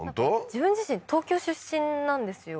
自分自身東京出身なんですよ